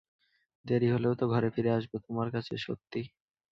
দেরি হলেও তো ঘরে ফিরে আসব, - তোমার কাছে - সত্যি?